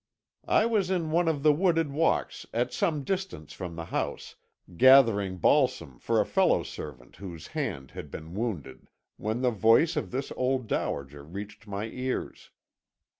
"I was in one of the wooded walks at some distance from the house, gathering balsam for a fellow servant whose hand had been wounded, when the voice of this old dowager reached my ears.